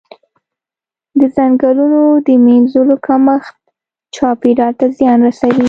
د ځنګلونو د مینځلو کمښت چاپیریال ته زیان رسوي.